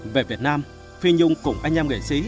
về việt nam phi nhung cùng anh em nghệ sĩ